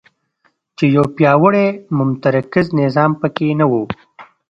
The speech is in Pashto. چې یو پیاوړی متمرکز نظام په کې نه وو.